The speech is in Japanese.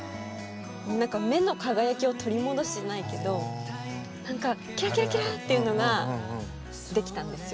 目の輝きを取り戻すじゃないけどキラキラキラっていうのができたんですよ。